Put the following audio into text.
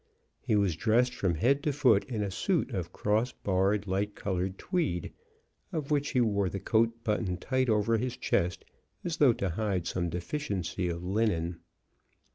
He was dressed from head to foot in a suit of cross barred, light colored tweed, of which he wore the coat buttoned tight over his chest, as though to hide some deficiency of linen.